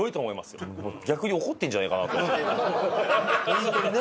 ホントにね。